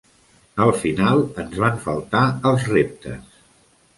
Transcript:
Al final ens van faltar els reptes.